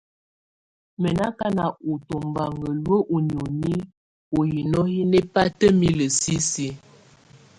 Mɛ̀ nɔ akana ɔ́ ká tubaŋa luǝ̀ ú nioni ú hino hɛ nɛbataimilǝ sisiǝ.